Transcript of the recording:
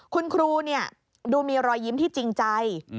คุณครูดูมีรอยยิ้มที่จริงใจ